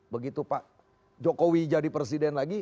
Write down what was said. begitu pak jokowi jadi presiden lagi